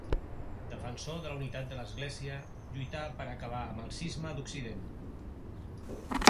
Defensor de la unitat de l'Església, lluità per acabar amb el Cisma d'Occident.